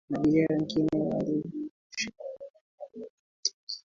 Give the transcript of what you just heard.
abiria wengine walijirusha kwenye bahari ya atlantiki